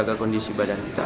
jadi jaga kondisi badan kita